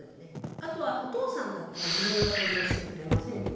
あとはお父さんだったら授乳は当然してくれませんよね。